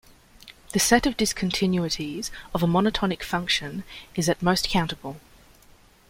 The set of discontinuities of a monotonic function is at most countable.